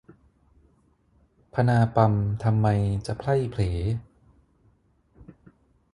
พนาปำทำไมจะไพล่เผล